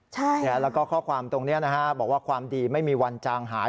แล้วก็ข้อความตรงนี้นะฮะบอกว่าความดีไม่มีวันจางหาย